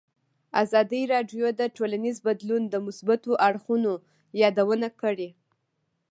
ازادي راډیو د ټولنیز بدلون د مثبتو اړخونو یادونه کړې.